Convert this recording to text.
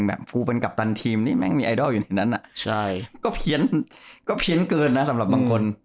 แบบกูเป็นกัปตันทีมนี่แม่งมีไอดอลอยู่ในนั้นอ่ะ